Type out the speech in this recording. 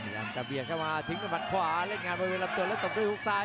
อย่างกระเบียนเข้ามาทิ้งประมาทขวาเล่นงานบริเวณลำตัวแล้วตกด้วยหุ้กซ้าย